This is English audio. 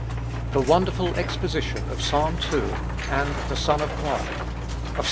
The wonderful exposition of Ps. ii. and the Son of God; of Ps.